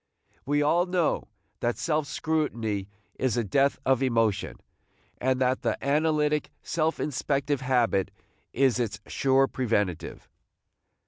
We all know that self scrutiny is the death of emotion, and that the analytic, self inspective habit is its sure preventive.